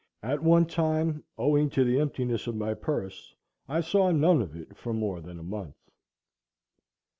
At one time, owing to the emptiness of my purse, I saw none of it for more than a month.